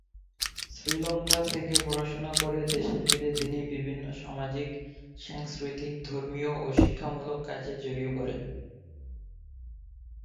শ্রীলঙ্কা থেকে পড়াশুনা করে দেশে ফিরে তিনি বিভিন্ন সামাজিক, সাংস্কৃতিক, ধর্মীয় ও শিক্ষামূলক কাজে জড়িয়ে পড়েন।